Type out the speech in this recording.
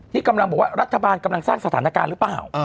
นี่กำลังบอกว่ารัฐบาลกำลังสร้างสถานการณ์หรือเปล่า